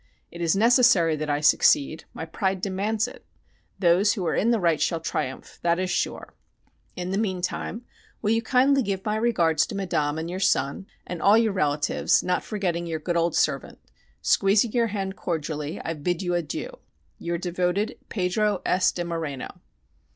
It is necessary that I succeed my pride demands it. Those who are in the right shall triumph, that is sure.... In the mean time, will you kindly give my regards to Madame and your son, and all of your relatives, not forgetting your good old servant. Squeezing your hand cordially, I bid you adieu. Your devoted, Pedro S. de Moreno.